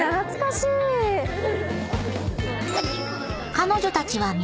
［彼女たちは皆］